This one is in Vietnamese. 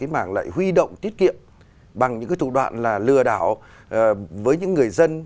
mảng lại huy động tiết kiệm bằng những cái thủ đoạn là lừa đảo với những người dân